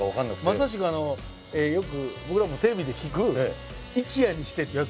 まさしくよく僕らもテレビで聞く「一夜にして」ってやつ。